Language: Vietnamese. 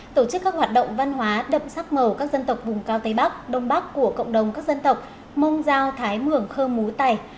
tổ chức các hoạt động văn hóa đậm sắc màu các dân tộc vùng cao tây bắc đông bắc của cộng đồng các dân tộc mông giao thái mường khơ mú tài